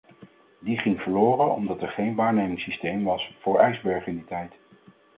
Die ging verloren omdat er geen waarnemingssysteem was voor ijsbergen in die tijd.